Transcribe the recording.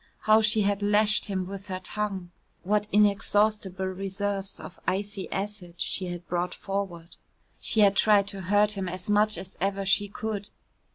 How she had lashed him with her tongue! What inexhaustible reserves of icy acid she had brought forward. She had tried to hurt him as much as ever she could.